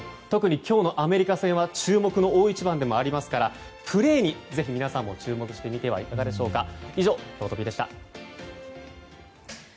特に今日のアメリカ戦は注目の大一番なのでプレーに是非皆さんも注目してみてはいかがでしょうか。